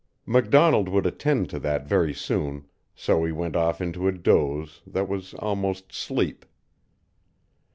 MacDonald would attend to that very soon, so he went off into a doze that was almost sleep.